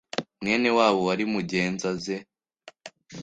mwene wabo wari mu ngenza ze.